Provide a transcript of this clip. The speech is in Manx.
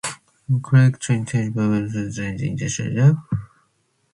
Cre ta'n chied vanglane jeh'n chrea loayrt jeh?